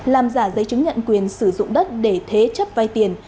làm giả giấy chứng nhận quyền sử dụng đất để thế chấp vay tiền